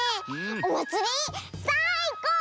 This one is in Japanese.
おまつりさいこう！